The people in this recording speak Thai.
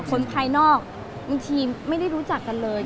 คนภายนอกบางทีไม่ได้รู้จักกันเลย